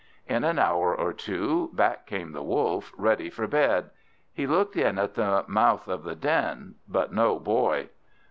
In an hour or two back came the Wolf, ready for bed. He looked in at the mouth of the den, but no Boy.